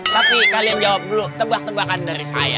tapi kalian jawab dulu tebak tebakan dari saya